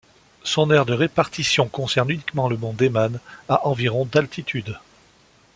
Son aire de répartition concerne uniquement le mont Dayman, à environ d'altitude.